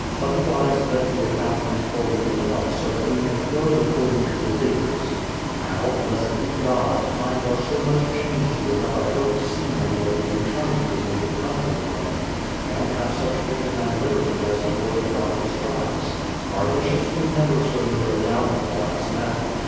Otherwise, let the accounts be fully made up so that we may close according to the figures. Now, blessed be God, times are so much changed here that I hope to see many of you return to your native country again, and have such freedom and liberty as the word of God prescribes. 305 S06 BRADFORD'S HISTORY OF Our bishops were never so near a downfall as now.